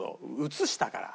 移したから。